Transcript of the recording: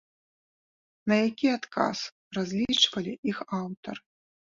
На які адказ разлічвалі іх аўтары?